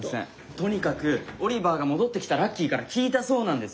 とにかくオリバーが戻ってきたラッキーから聞いたそうなんです。